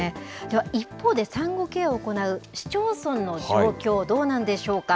では一方で、産後ケアを行う市町村の状況、どうなんでしょうか。